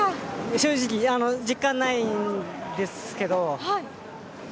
正直、実感ないんですけど。